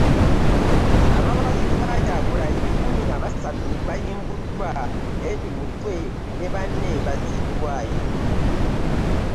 Abawagizi ba Kyagulanyi kkumi na basatu bayimbuddwa, Eddie Mutwe ne banne bazziddwayo